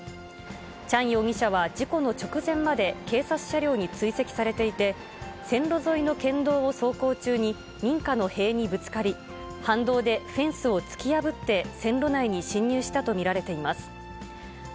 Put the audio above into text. チャン容疑者は事故の直前まで、警察車両に追跡されていて、線路沿いの県道を走行中に、民家の塀にぶつかり、反動でフェンスを突き破って、線路内に進入したと見られています。